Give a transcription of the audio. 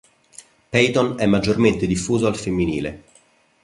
Peyton è maggiormente diffuso al femminile.